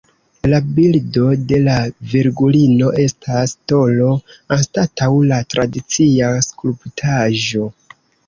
La bildo de la Virgulino estas tolo anstataŭ la tradicia skulptaĵo.